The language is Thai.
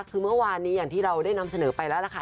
คือเมื่อวานนี้อย่างที่เราได้นำเสนอไปแล้วล่ะค่ะ